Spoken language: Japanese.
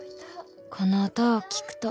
「この音を聞くと」